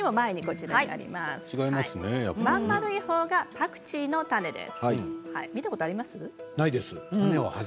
真ん丸いほうがパクチーの種です。